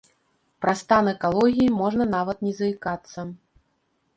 Пра стан экалогіі можна нават не заікацца.